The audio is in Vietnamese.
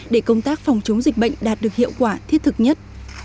để công tác phòng chống dịch bệnh đạt được hiệu quả thiết thực nhất